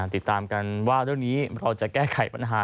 ติดตามกันว่าเรื่องนี้เราจะแก้ไขปัญหา